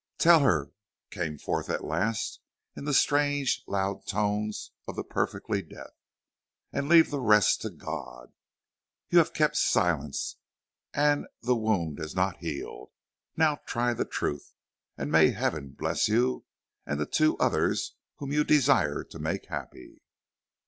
"Tell her," came forth at last, in the strange, loud tones of the perfectly deaf, "and leave the rest to God. You have kept silence, and the wound has not healed; now try the truth, and may heaven bless you and the two others whom you desire to make happy."